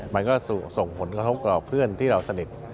มันก็ส่งผลกระทบต่อเพื่อนที่เราสนิท